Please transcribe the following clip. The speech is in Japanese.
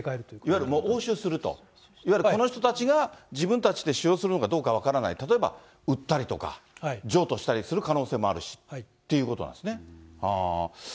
いわゆる押収すると、いわゆるこの人たちが、自分たちで使用するのかどうか分からない、例えば売ったりとか、譲渡したりする可能性もあるしってことなんですね。